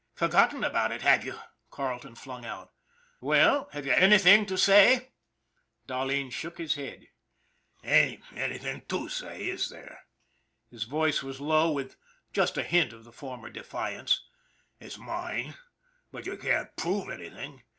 " Forgotten about it, had you ?" Carleton flung out grimly. " Well, have you anything to say ?" 170 ON THE IRON AT BIG CLOUD Dahleen shook his head. " Ain't anything to say, is there ?" his voice was low with just a hint of the former defiance. " It's mine, but you can't prove anything.